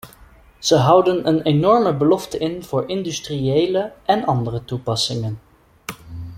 Ze houden een enorme belofte in voor industriële en andere toepassingen.